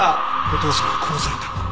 お父さんは殺されたんだ。